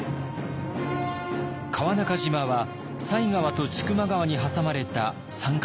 川中島は犀川と千曲川に挟まれた三角地帯です。